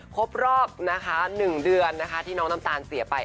ครบรอบ๑เดือนที่น้องน้ำตาลเสียไป